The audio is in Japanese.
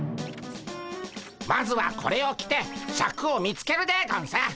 まずはこれを着てシャクを見つけるでゴンス。